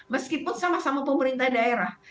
meskipun sama sama pemerintah daerah